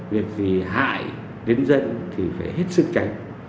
việc gì hại đến dân thì phải hết sức tránh